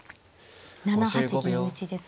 ７八銀打ですか。